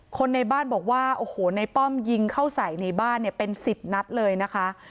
คนในบ้านบอกว่าในป้อมยิงเข้าใส่ในบ้านเป็นสิบนัดเลยนะคะ